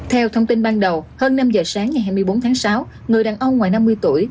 theo thông tin ban đầu hơn năm giờ sáng ngày hai mươi bốn tháng sáu người đàn ông ngoài năm mươi tuổi